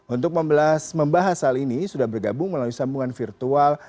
untuk membahas hal ini sudah bergabung melalui sambungan virtual